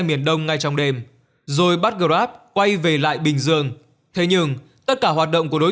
miền đông ngay trong đêm rồi bắt grab quay về lại bình dương thế nhưng tất cả hoạt động của đối